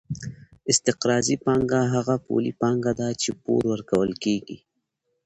استقراضي پانګه هغه پولي پانګه ده چې پور ورکول کېږي